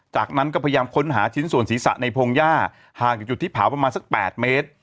จากนั้นก็พยายามค้นหาชิ้นส่วนศีรษะในพงหญ้าห่างจากจุดที่เผาประมาณสัก๘เมตร